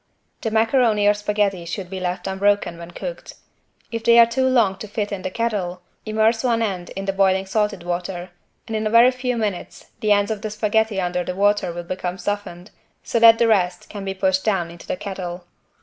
The macaroni or spaghetti should be left unbroken when cooked. If they are too long to fit in the kettle immerse one end in the boiling salted water and in a very few minutes the ends of the spaghetti under the water will become softened so that the rest can be pushed down into the kettle.